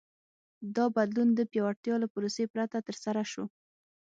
دا بدلون د پیاوړتیا له پروسې پرته ترسره شو.